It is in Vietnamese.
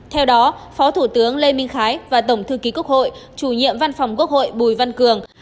theo đó phó thủ tướng lê minh khái và tổng thư ký quốc hội chủ nhiệm văn phòng quốc hội bùi văn cường